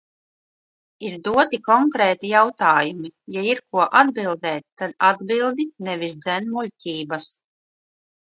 Ir doti konkrēti jautājumi, ja ir ko atbildēt, tad atbildi nevis dzen muļķības.